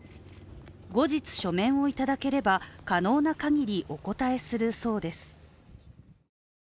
後日書面をいただければ、可能な限りお答えするそうです。